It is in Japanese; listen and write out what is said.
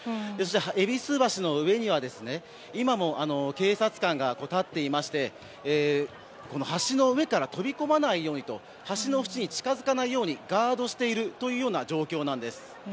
戎橋の上には今も警察官が立っていまして橋の上から飛び込まないようにと橋の縁に近づかないようにガードしている状況なんです。